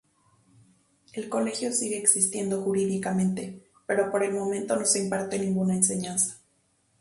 El colegio sigue existiendo jurídicamente, pero por el momento no se imparte ninguna enseñanza.